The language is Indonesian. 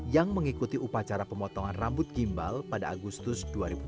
yang mengikuti upacara pemotongan rambut gimbal pada agustus dua ribu dua puluh